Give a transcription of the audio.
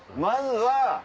まずは。